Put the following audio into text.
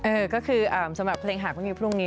เออก็คือสำหรับเพลงหากพรุ่งนี้